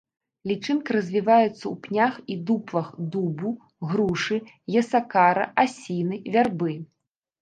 Лічынка развіваецца ў пнях і дуплах дубу, грушы, ясакара, асіны, вярбы.